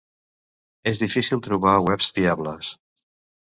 És difícil trobar webs fiables.